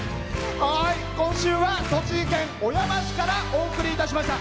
今週は栃木県小山市からお送りいたしました。